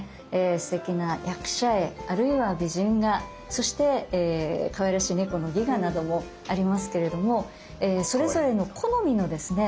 すてきな役者絵あるいは美人画そしてかわいらしい猫の戯画などもありますけれどもそれぞれの好みのですね